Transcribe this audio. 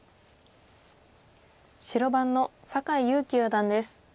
白番の酒井佑規四段です。